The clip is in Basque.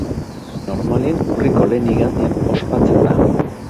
Normalean urriko lehen igandean ospatzen da.